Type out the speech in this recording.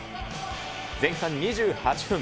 前半２８分。